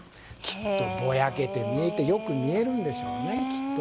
きっと、ぼやけて見えてよく見えるんでしょうね。